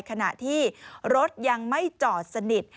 ขณะที่รถยังไม่จอดสนิท